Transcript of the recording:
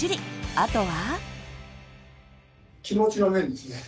あとは。